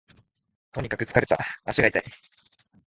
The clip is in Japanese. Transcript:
とにかく疲れた、足が痛い